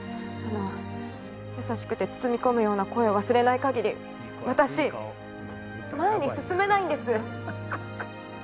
あの優しくて包み込むような声を忘れない限り私前に進めないんです。